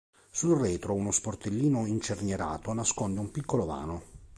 Sul retro, uno sportellino incernierato nasconde un piccolo vano.